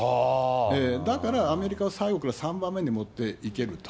だから、アメリカは最後から３番目にもっていけると。